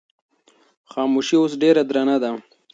خاموشي اوس ډېره درنه ده.